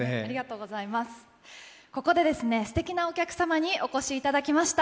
ここですてきなお客様にお越しいただきました。